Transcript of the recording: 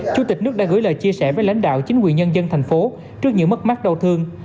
chủ tịch nước đã gửi lời chia sẻ với lãnh đạo chính quyền nhân dân thành phố trước những mất mát đau thương